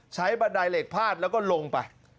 บันไดเหล็กพาดแล้วก็ลงไป